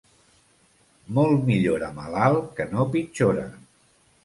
Molt millora malalt que no pitjora.